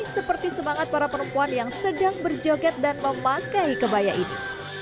seperti semangat para perempuan yang sedang berjoget dan memakai kebaya ini